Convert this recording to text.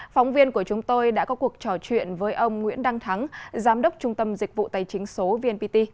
phóng viên của chúng tôi đã có cuộc trò chuyện với ông nguyễn đăng thắng giám đốc trung tâm dịch vụ tài chính số vnpt